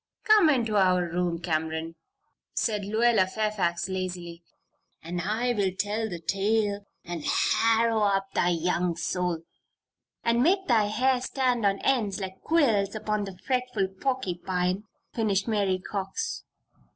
"Come into our room, Cameron," said Lluella Fairfax, lazily, "and I will tell the tale and harrow up thy young soul " "And make thy hair stand on end like quills upon the fretful 'porkypine,'" finished Mary Cox.